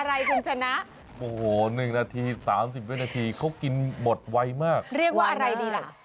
อะไรคุณชนะโอ้โห๑นาที๓๐วินาทีเขากินหมดไวมากเรียกว่าอะไรดีล่ะ